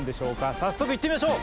早速、行ってみましょう。